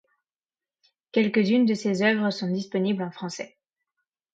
Quelques-unes de ses œuvres sont disponibles en français.